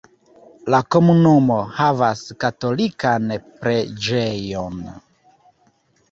La komunumo havas katolikan preĝejon.